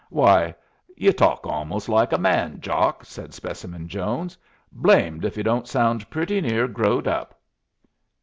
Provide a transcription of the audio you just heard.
"Why, y'u talk almost like a man, Jock," said Specimen Jones. "Blamed if y'u don't sound pretty near growed up."